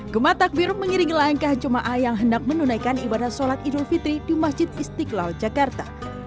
gematak biru mengiringi langkah jemaah yang hendak menunaikan ibadah sholat idul fitri di masjid istiqlal jakarta